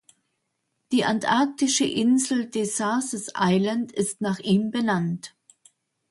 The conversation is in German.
Die antarktische Insel Decazes Island ist nach ihm benannt.